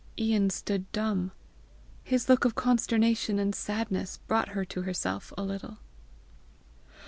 Ian stood dumb. His look of consternation and sadness brought her to herself a little.